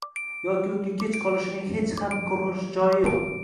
yoki unga kech qolishining hech ham qo‘rqinchli joyi yo‘q